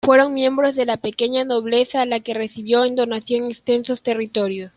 Fueron miembros de la pequeña nobleza la que recibió en donación extensos territorio.